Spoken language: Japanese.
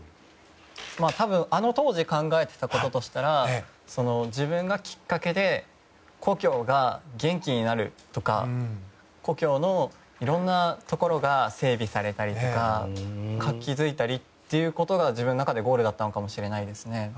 多分、あの当時考えていたこととしたら自分がきっかけで故郷が元気になるとか故郷のいろいろなところが整備されたりとか活気づいたりっていうことが自分の中でゴールだったのかもしれないですね。